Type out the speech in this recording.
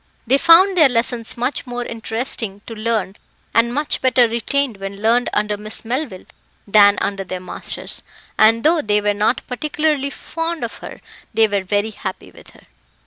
They found their lessons much more interesting to learn and much better retained when learned under Miss Melville than under their masters; and though they were not particularly fond of her, they were very happy with her.